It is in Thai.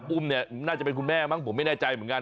อุ้มเนี่ยน่าจะเป็นคุณแม่มั้งผมไม่แน่ใจเหมือนกัน